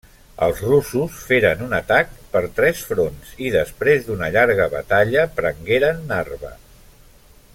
Els russos feren un atac per tres fronts i després d'una llarga batalla prengueren Narva.